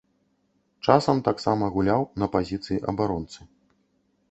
Часам таксама гуляў на пазіцыі абаронцы.